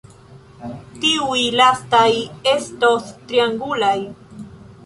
Tiuj lastaj estos triangulaj.